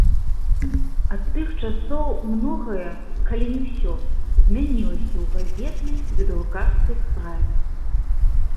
Ад тых часоў многае, калі не ўсё, змянілася ў газетнай ды друкарскай справе.